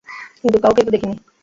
কিন্তু, কাউকেই তো দেখিনি!